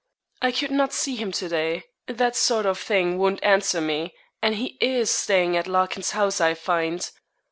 I could not see him to day. That sort of thing won't answer me; and he is staying at Larkin's house, I find.'